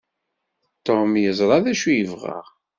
Tom yeẓra d acu yebɣa.